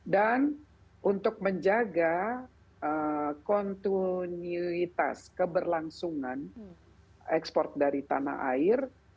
dan untuk menjaga kontinuitas keberlangsungan ekspor dari tanah air